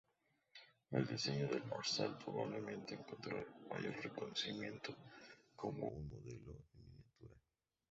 El diseño del Marzal probablemente encontró el mayor reconocimiento como un modelo en miniatura.